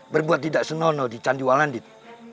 berbuat tidak senonoh di candiwal landit